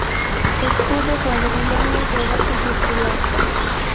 Escudo cuadrilongo, de base circular.